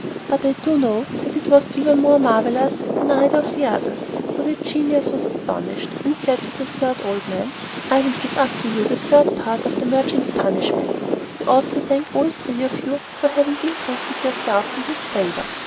But I do know that it was even more marvellous than either of the others, so that the genius was astonished, and said to the third old man, "I will give up to you the third part of the merchant's punishment. He ought to thank all three of you for having interested yourselves in his favour.